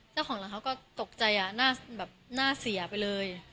แล้วของหลังเขาก็ตกใจหน้าเสียไปเลย